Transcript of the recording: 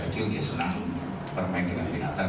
memang sejak kecil dia senang bermain dengan binatang